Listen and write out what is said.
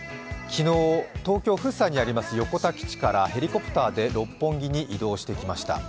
昨日東京・福生にあります横田基地からヘリコプターで六本木に移動してきました。